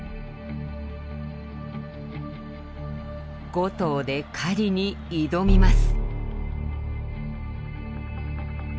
５頭で狩りに挑みます。